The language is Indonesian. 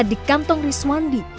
di kantong rizwandi